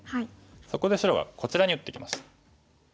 そこで白はこちらに打ってきました。